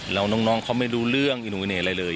แล้วน้องเขาไม่รู้เรื่องหรืออะไรเลย